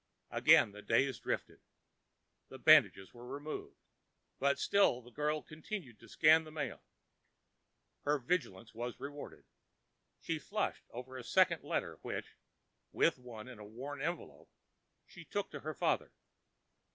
Again the days drifted. The bandages were removed; but still the girl continued to scan the mail. Her vigilance was rewarded. She flushed over a second letter which, with one in a worn envelope, she took to her father.